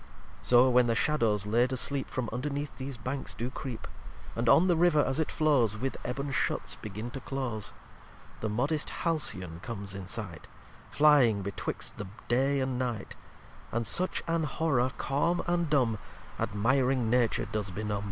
lxxxiv So when the Shadows laid asleep From underneath these Banks do creep, And on the River as it flows With Eben Shuts begin to close; The modest Halcyon comes in sight, Flying betwixt the Day and Night; And such an horror calm and dumb, Admiring Nature does benum.